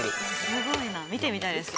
すごいな見てみたいです。